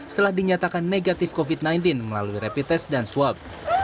setelah dinyatakan negatif covid sembilan belas melalui rapid test dan swab